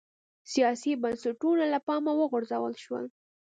سیاسي بنسټونه له پامه وغورځول شول